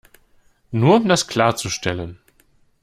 Nur um das klarzustellen.